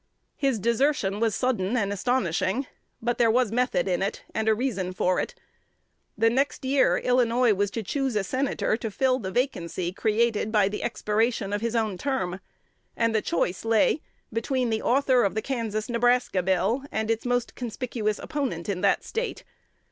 His desertion was sudden and astonishing; but there was method in it, and a reason for it. The next year Illinois was to choose a senator to fill the vacancy created by the expiration of his own term; and the choice lay between the author of the Kansas Nebraska Bill and its most conspicuous opponent in that State.